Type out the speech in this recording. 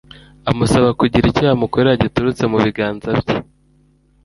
amusaba kugira icyo yamukorera giturutse mu biganza bye.